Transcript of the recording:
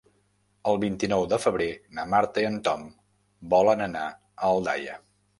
El vint-i-nou de febrer na Marta i en Tom volen anar a Aldaia.